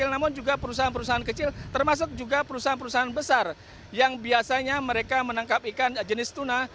dan juga perusahaan perusahaan besar yang biasanya mereka menangkap ikan jenis tuna